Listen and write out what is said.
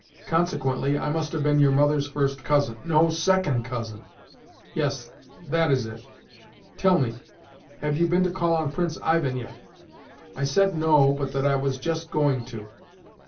Consequently I must have been your mother's first cousin no, second cousin. Yes, that is it. Tell me, have you been to call on Prince Ivan yet?" I said no, but that I was just going to.